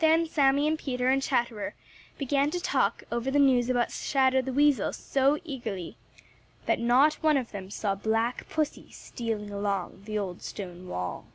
Then Sammy and Peter and Chatterer began to talk over the news about Shadow the Weasel so eagerly that not one of them saw Black Pussy stealing along the old stone wall.